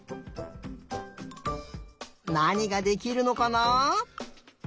なにができるのかなあ？